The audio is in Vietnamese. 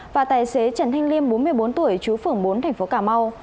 và tài xế trần thanh liêm bốn mươi bốn tuổi chú phưởng bốn tp cà mau